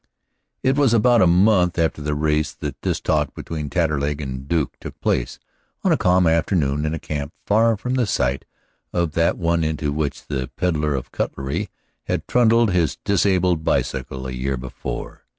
It was about a month after the race that this talk between Taterleg and the Duke took place, on a calm afternoon in a camp far from the site of that one into which the peddler of cutlery had trundled his disabled bicycle a year before.